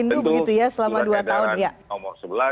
tentu sudah kena umur sebelas